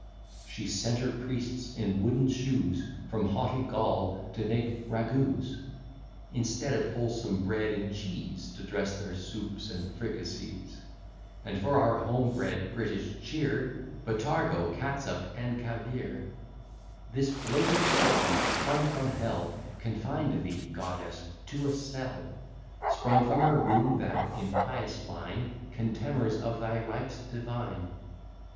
She sent her priests in wooden shoes From haughty Gaul to make ragouts; Instead of wholesome bread and cheese, To dress their soups and fricassees; And, for our home bred British cheer, Botargo, catsup, and caviare. This bloated harpy, sprung from hell, Confined thee, goddess, to a cell: Sprung from her womb that impious line, Contemners of thy rites divine.